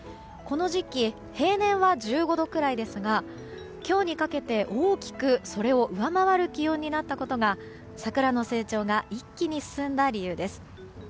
この時期平年は１５度ぐらいですが今日にかけて大きくそれを上回る気温になったことが桜の成長が一気に進んだ理由です。